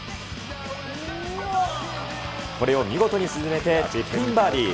これを見事に沈めて、チップインバーディー。